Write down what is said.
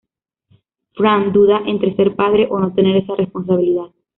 Fran duda entre ser padre o no tener esa responsabilidad.